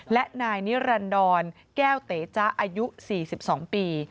และนายนิรันดรแก้วเต๋จ๊ะอายุ๔๒ปี